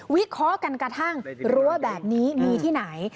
วิเคราะห์กันกระทั่งรั้วแบบนี้มีที่ไหน